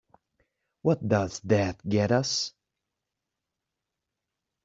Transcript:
What does that get us?